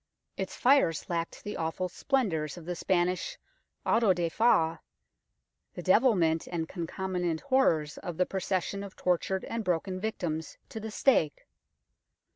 Its fires lacked the awful splendours of the Spanish Auto da Fe, the devilment and concomitant horrors of the procession of tortured and broken victims to the stake.